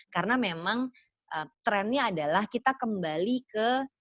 karena memang trendnya adalah kita kembali ke keuangan keluarga